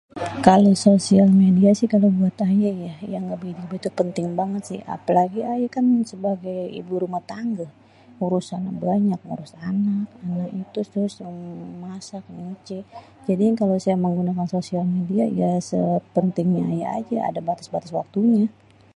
Kalo sosial media sih kagak buat ayé yé yang nggak begitu penting banget sih. Apalagi ayé kan sebagai ibu rumah tangge urusannya banyak, ngurus anak, ana itu. Terus yang masak, yang nyuci. Jadi kalo saya menggunakan sosial media ya sepentingnya ayé aja. Ada bates-bates waktunya.